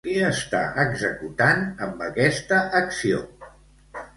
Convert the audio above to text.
Què està executant amb aquesta acció?